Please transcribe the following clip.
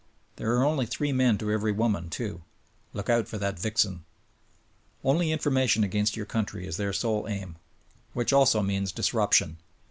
There are only three men to every woman, too. Look out for that vixen ! Only information against your country is their sole aim. Which also means disruption.